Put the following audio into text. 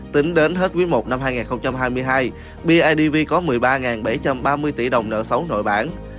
tính đến hết quý i năm hai nghìn hai mươi hai bidv có một mươi ba bảy trăm ba mươi tỷ đồng nợ xấu nội bản